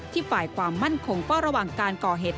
ฝ่ายความมั่นคงเฝ้าระวังการก่อเหตุ